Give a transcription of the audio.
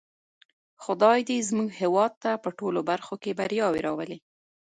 خدای دې زموږ هېواد ته په ټولو برخو کې بریاوې راولی.